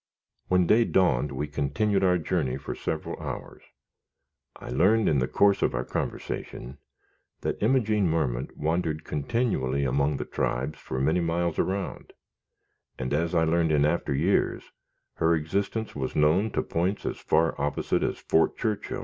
When day dawned we continued our journey for several hours. I learned in the course of our conversation that Imogene Merment wandered continually among the tribes for many miles around, and, as I learned in after years, her existence was known to points as far opposite as Fort Churchill and Fort Hall.